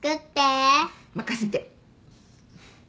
任せて。